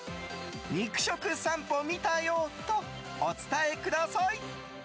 肉食さんぽ見たよとお伝えください。